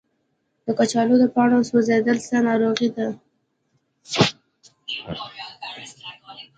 د کچالو د پاڼو سوځیدل څه ناروغي ده؟